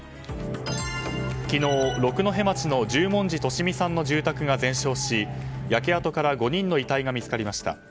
昨日、六戸町の十文字利美さんの住宅が全焼し焼け跡から５人の遺体が見つかりました。